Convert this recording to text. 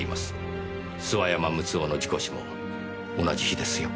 諏訪山睦男の事故死も同じ日ですよ。